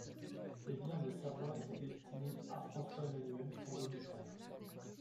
Les biens de Savoie étaient destinés à François-Emmanuel, son demi-frère.